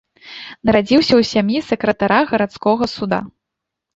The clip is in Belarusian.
Нарадзіўся ў сям'і сакратара гарадскога суда.